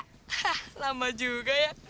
hah lama juga ya